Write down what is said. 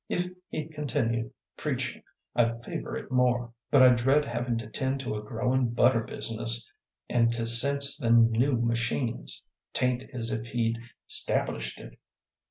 If he'd continued preachin' I'd favor it more, but I dread havin' to 'tend to a growin' butter business an' to sense them new machines. 'T ain't as if he'd 'stablished it.